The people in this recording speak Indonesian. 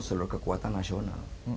seluruh kekuatan nasional